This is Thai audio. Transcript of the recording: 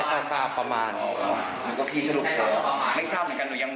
บอกว่าก็ไม่รู้ราคาอะไร